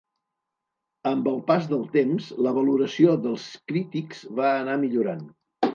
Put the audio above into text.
Amb el pas del temps, la valoració dels crítics va anar millorant.